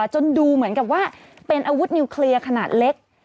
จนดูเหมือนกับว่าเป็นอาวุธนิวเคลียร์ขนาดเล็ก